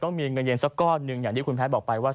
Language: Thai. มีเงินเย็นสักก้อนหนึ่งอย่างที่คุณแพทย์บอกไปว่า